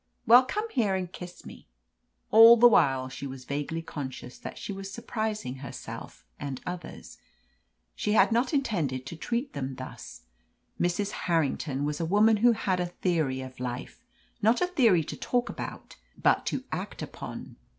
"Well, come here and kiss me." All the while she was vaguely conscious that she was surprising herself and others. She had not intended to treat them thus. Mrs. Harrington was a woman who had a theory of life not a theory to talk about, but to act upon.